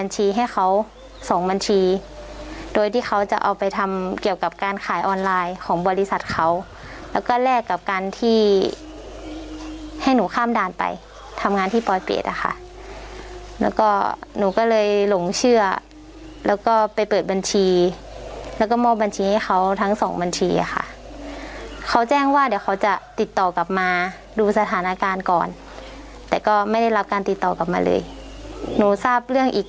เจ็ดร้อยเจ็ดสิบร้านโอ้โหอืออ่าฮะหมูค่าเยอะมากในปีหกแปดครับ